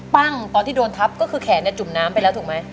ตอนที่โดนทับก็คือแขนจุ่มน้ำไปแล้วถูกไหม